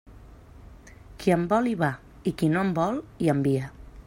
Qui en vol, hi va; i qui no en vol, hi envia.